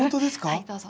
はいどうぞ。